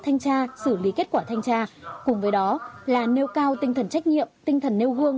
thanh tra xử lý kết quả thanh tra cùng với đó là nêu cao tinh thần trách nhiệm tinh thần nêu gương